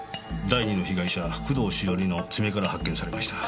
第２の被害者工藤しおりの爪から発見されました。